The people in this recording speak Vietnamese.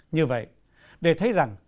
như vậy để thấy rằng